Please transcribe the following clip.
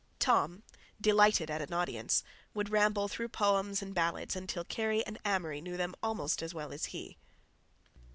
Tom, delighted at an audience, would ramble through the "Poems and Ballades" until Kerry and Amory knew them almost as well as he.